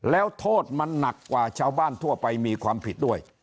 แล้วโทษมันหนักกว่าชาวบ้านทั่วไปมีความผิดด้วย